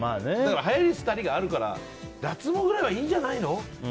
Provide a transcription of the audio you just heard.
はやりすたりがあるから脱毛ぐらいはいいんじゃないの。